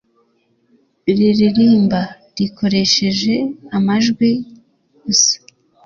riririmba rikoresheje amajwi gusa